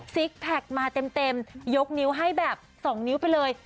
แพคมาเต็มยกนิ้วให้แบบ๒นิ้วไปเลย